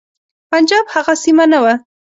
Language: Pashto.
پنجاب هغه سیمه نه وه.